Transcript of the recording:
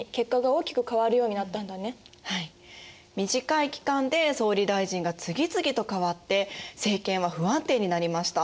短い期間で総理大臣が次々と代わって政権は不安定になりました。